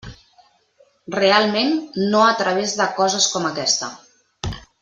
Realment, no a través de coses com aquesta.